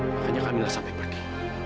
makanya kamila sampai pergi